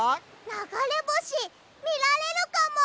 ながれぼしみられるかも！